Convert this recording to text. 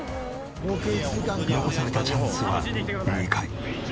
残されたチャンスは２回。